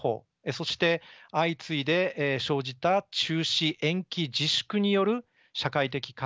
そして相次いで生じた中止延期自粛による社会的活動レベルの低下。